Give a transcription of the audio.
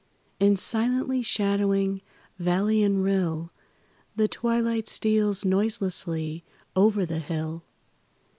And, silently shadowing valley and rill, The twilight steals noiselessly over the hill.